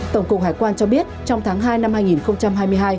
tổng cục hải quan cho biết trong tháng hai năm hai nghìn hai mươi hai